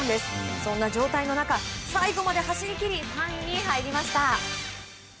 そんな状態の中最後まで走り切り３位に入りました。